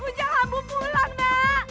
ujah aku pulang deh